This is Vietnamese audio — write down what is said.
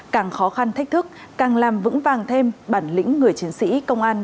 càng khó khăn thách thức càng làm vững vàng thêm bản lĩnh người chiến sĩ công an